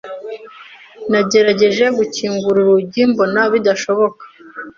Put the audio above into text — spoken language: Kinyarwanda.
Nagerageje gukingura urugi, mbona bidashoboka.